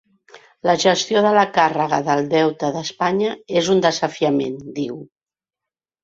La gestió de la càrrega del deute d’Espanya és un desafiament, diu.